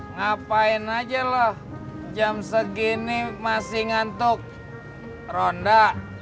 ngapain aja lah jam segini masih ngantuk ronda